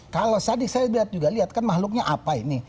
kalau tadi saya lihat juga lihat kan makhluknya apa ini